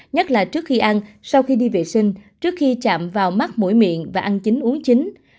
nhất là trước khi ăn sau khi đi vệ sinh trước khi chạm vào mắt mũi miệng và ăn chín uống chính